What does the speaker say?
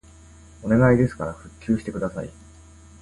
お願いですから復旧してください